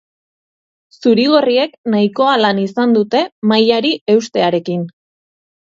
Zuri-gorriek nahikoa lan izan dute mailari eustearekin.